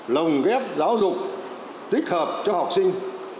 lồng ghép giáo dục tích hợp cho học sinh